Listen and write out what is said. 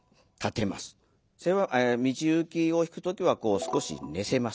「道行」を弾く時は少し寝せます。